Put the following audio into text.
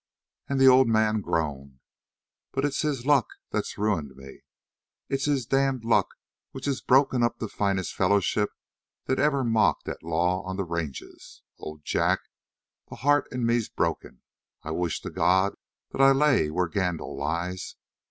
And the old man groaned: "But it's his luck that's ruined me. It's his damned luck which has broken up the finest fellowship that ever mocked at law on the ranges. Oh, Jack, the heart in me's broken. I wish to God that I lay where Gandil lies.